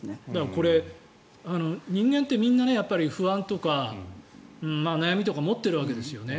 これ、人間ってみんな不安とか悩みとか持っているわけですよね